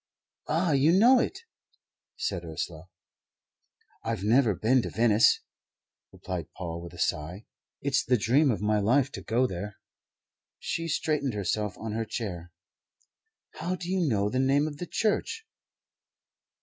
"Ah, you know it?" said Ursula. "I've never been to Venice," replied Paul, with a sigh. "It's the dream of my life to go there." She straightened herself on her chair. "How do you know the name of the church?"